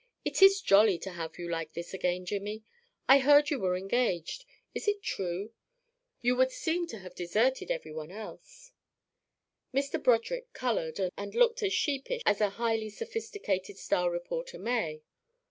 It is jolly to have you like this again, Jimmy. I heard you were engaged. Is it true? You would seem to have deserted every one else." Mr. Broderick coloured and looked as sheepish as a highly sophisticated star reporter may.